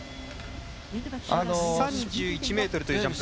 １３１ｍというジャンプ。